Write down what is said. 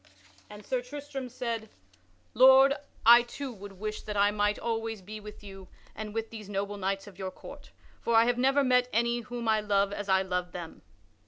And Sir Tristram said: "Lord, I too would wish that I might always be with you and with these noble knights of your court, for I have never met any whom I love as I love them."